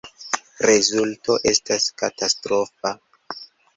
Rezulto estas katastrofa.